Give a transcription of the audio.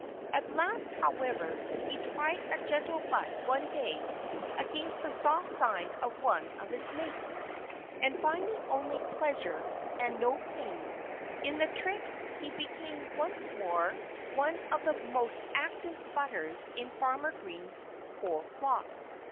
At last, however, he tried a gentle butt one day against the soft side of one of his mates. And finding only pleasure, and no pain, in the trick he became once more one of the most active butters in Farmer Green's whole flock.